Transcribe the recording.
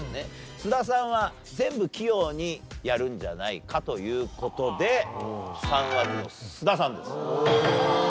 須田さんは全部器用にやるんじゃないかという事で３枠の須田さんです。